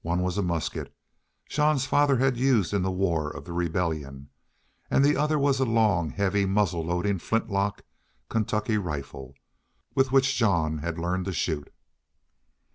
One was a musket Jean's father had used in the war of the rebellion and the other was a long, heavy, muzzle loading flintlock Kentucky, rifle with which Jean had learned to shoot.